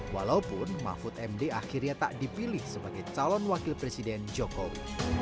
walaupun mahfud md akhirnya tak dipilih sebagai calon wakil presiden jokowi